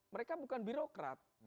mereka bukan birokrat